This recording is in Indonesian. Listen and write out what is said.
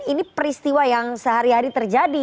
ini peristiwa yang sehari hari terjadi